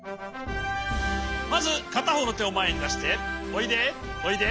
まずかたほうのてをまえにだしておいでおいで。